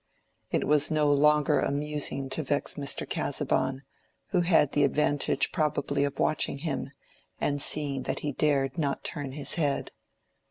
It was no longer amusing to vex Mr. Casaubon, who had the advantage probably of watching him and seeing that he dared not turn his head.